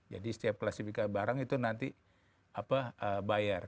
jadi setiap klasifikasi barang itu nanti bayar